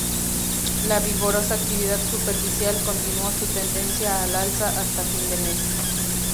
La vigorosa actividad superficial continuó su tendencia al alza hasta fin de mes.